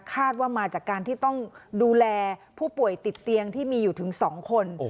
คาดว่ามาจากการที่ต้องดูแลผู้ป่วยติดเตียงที่มีอยู่ถึง๒คน